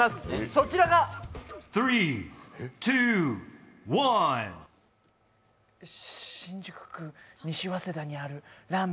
そちらが新宿区西早稲田にあるらぁ麺